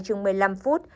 chừng một mươi năm phút